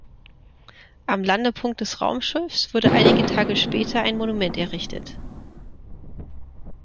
Am Landepunkt des Raumschiffs wurde einige Tage später ein Monument errichtet.